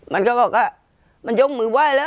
มันก็บอกว่ามันยกมือไหว้แล้ว